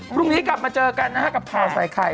พรุ่งนี้กลับมาเจอกันนะครับกับพาวสไฟไข่